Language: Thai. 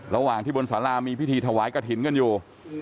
ระหว่างที่บนสารามีพิธีถวายกระถิ่นกันอยู่